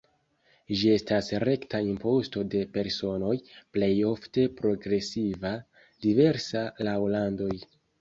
Ĝi estas rekta imposto de personoj, plej ofte progresiva, diversa laŭ landoj.